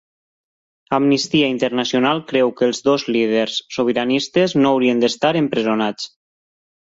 Amnistia Internacional creu que els dos líders sobiranistes no haurien d'estar empresonats